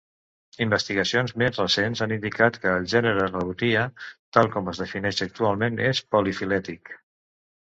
Investigacions més recents han indicat que el gènere "Rebutia", tal com es defineix actualment, és polifilètic.